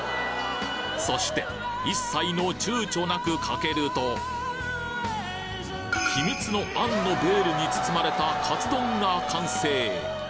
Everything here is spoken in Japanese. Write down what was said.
そして一切の躊躇なくかけると秘密の餡のベールに包まれたカツ丼が完成